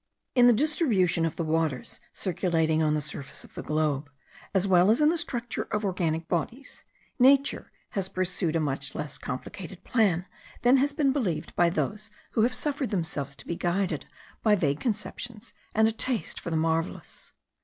In the distribution of the waters circulating on the surface of the globe, as well as in the structure of organic bodies, nature has pursued a much less complicated plan than has been believed by those who have suffered themselves to be guided by vague conceptions and a taste for the marvellous.